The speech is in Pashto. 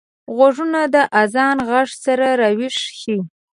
غوږونه د اذان غږ سره راويښ شي